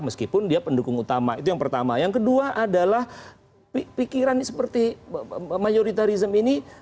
meskipun dia pendukung utama itu yang pertama yang kedua adalah pikiran seperti mayoritarism ini